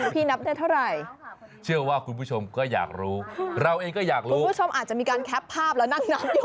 เพื่อนผู้ชมอาจจะมีการแคปภาพและนักนั้นอยู่